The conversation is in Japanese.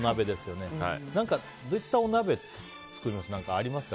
どういったお鍋作ります？